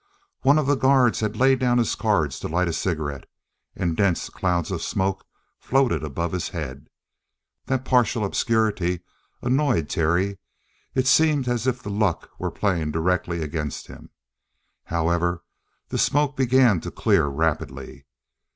One of the guards had laid down his cards to light a cigarette, and dense clouds of smoke floated above his head. That partial obscurity annoyed Terry. It seemed as if the luck were playing directly against him. However, the smoke began to clear rapidly.